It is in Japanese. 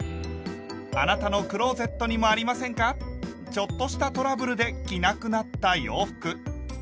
ちょっとしたトラブルで着なくなった洋服。